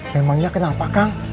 memangnya kenapa kang